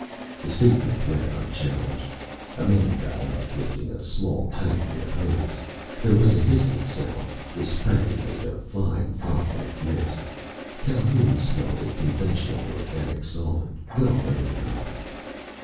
The statement went unchallenged. A man got up, lifting a small tank with a hose. There was a hissing sound. The spray made a fine, foglike mist. Calhoun smelled a conventional organic solvent, well known enough.